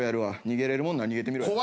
逃げれるもんなら逃げてみろや。